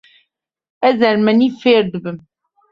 Ez ermenî fêr dibim.